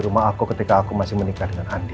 rumah aku ketika aku masih menikah dengan andi